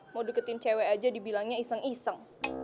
mau diketin cewe aja dibilangnya iseng iseng